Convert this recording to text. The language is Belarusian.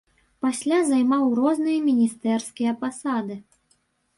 Пасля займаў розныя міністэрскія пасады.